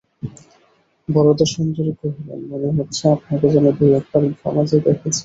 বরদাসুন্দরী কহিলেন, মনে হচ্ছে আপনাকে যেন দুই-একবার সমাজে দেখেছি।